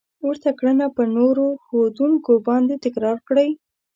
ورته کړنه په نورو ښودونکو باندې تکرار کړئ.